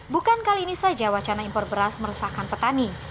bukan kali ini saja wacana impor beras meresahkan petani